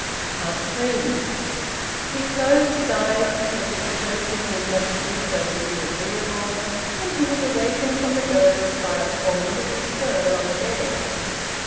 THREE. He closed his eyes, because it occurred to him that to do so would be agreeable. And he was awakened from a doze by a formidable stir on the bed.